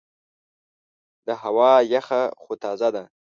دا هوا یخه خو تازه ده.